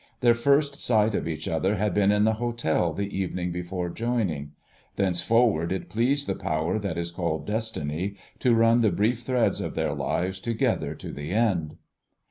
Their first sight of each other had been in the hotel the evening before joining. Thenceforward it pleased the power that is called Destiny to run the brief threads of their lives together to the end.